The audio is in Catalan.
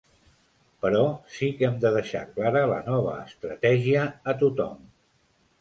Però sí que hem de deixar clara la nova estratègia a tothom.